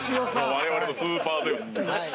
我々のスーパーゼウス。